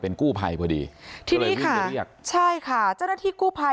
เป็นกู้ภัยพอดีที่นี่ค่ะใช่ค่ะแจ้วหน้าที่กู้ภัย